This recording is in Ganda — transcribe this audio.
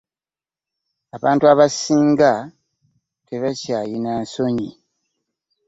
Abantu absinga tebakyayina nsonyi.